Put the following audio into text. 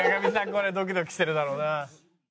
これドキドキしてるだろうな。